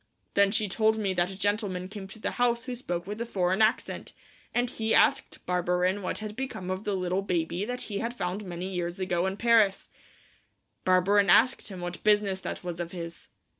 Then she told me that a gentleman came to the house who spoke with a foreign accent, and he asked Barberin what had become of the little baby that he had found many years ago in Paris. Barberin asked him what business that was of his.